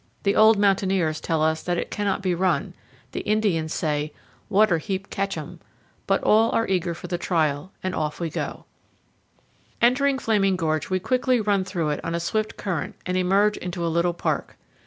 The old mountaineers tell us that it cannot be run; the Indians say, "Water heap catch 'em"; but all are eager for the trial, and off we go. 134 CANYONS OF THE COLORADO. Entering Flaming Gorge, we quickly run through it on a swift current and emerge into a little park.